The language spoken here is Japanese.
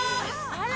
あら！